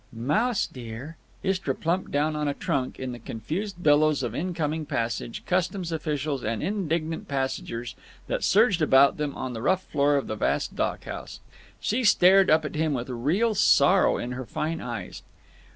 "Mouse dear!" Istra plumped down on a trunk in the confused billows of incoming baggage, customs officials, and indignant passengers that surged about them on the rough floor of the vast dock house. She stared up at him with real sorrow in her fine eyes.